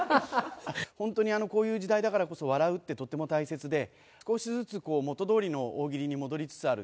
本当にこういう時代だからこそ、笑うってとても大切で、少しずつこう、元どおりの大喜利に戻りつつある。